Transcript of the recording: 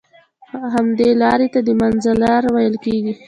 همدې لارې ته د منځ لاره ويل کېږي.